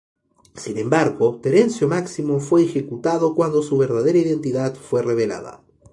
Sin embargo, Terencio Máximo fue ejecutado cuando su verdadera identidad fue revelada.